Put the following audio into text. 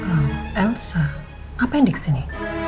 wow elsa apa yang di sini